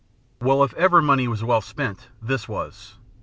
] Well, if ever money was well spent, this was.